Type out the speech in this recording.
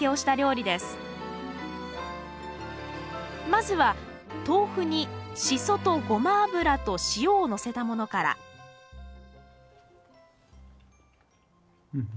まずは豆腐にシソとゴマ油と塩をのせたものからうんうん。